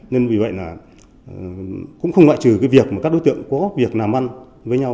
nên vì vậy cũng không loại trừ việc các đối tượng có việc làm ăn với nhau